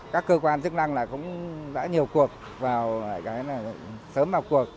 các cơ quan chức năng là cũng đã nhiều cuộc vào sớm vào cuộc